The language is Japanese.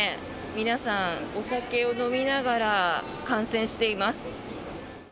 皆さん、お酒を飲みながら観戦しています。